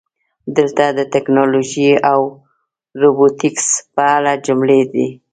دلته د "ټکنالوژي او روبوټیکس" په اړه جملې دي: